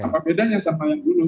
apa bedanya sama yang gunung